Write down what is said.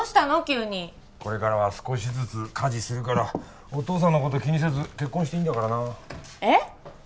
急にこれからは少しずつ家事するからお父さんのこと気にせず結婚していいんだからなえっ？